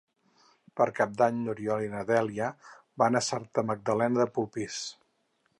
Per Cap d'Any n'Oriol i na Dèlia van a Santa Magdalena de Polpís.